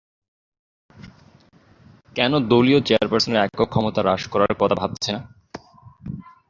কেন দলীয় চেয়ারপারসনের একক ক্ষমতা হ্রাস করার কথা ভাবছে না?